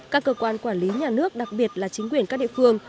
các cơ quan quản lý nhà nước đặc biệt là chính quyền các địa phương